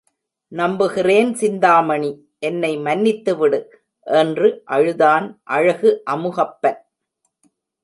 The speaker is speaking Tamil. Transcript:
நம்புகிறேன் சிந்தாமணி, என்னை மன்னித்துவிடு! என்று அழுதான் அழகு அமுகப்பன்.